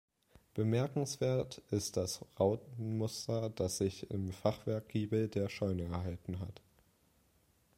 Bemerkenswert ist das Rautenmuster, das sich im Fachwerkgiebel der Scheune erhalten hat.